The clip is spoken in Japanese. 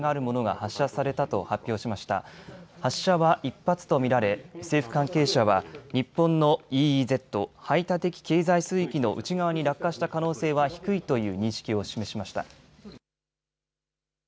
発射は１発と見られ政府関係者は日本のＥＥＺ・排他的経済水域の内側に落下した可能性は低いという認識を示しました。